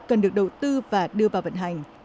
cần được đầu tư và đưa vào vận hành